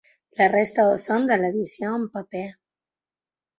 La resta ho són de l’edició en paper.